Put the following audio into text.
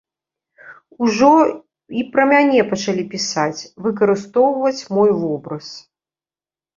Ужо і пра мяне пачалі пісаць, выкарыстоўваць мой вобраз.